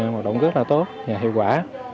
hoạt động rất là tốt và hiệu quả